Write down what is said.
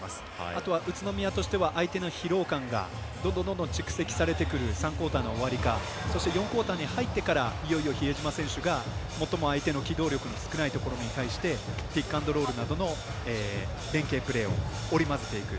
あとは宇都宮としては相手の疲労感がどんどん蓄積されてくる３クオーターの終わり４クオーターに入ってからいよいよ比江島選手が最も相手の機動力の少ないところに対してピックアンドロールなどの連携プレーを織り交ぜていく。